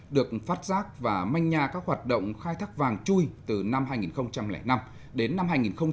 được phát giác và manh nha các hoạt động khai thác vàng chui từ năm hai nghìn năm đến năm hai nghìn một mươi